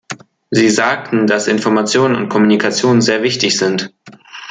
Sie sagten, dass Information und Kommunikation sehr wichtig sind.